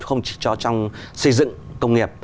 không chỉ cho trong xây dựng công nghiệp